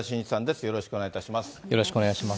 よろしくお願いします。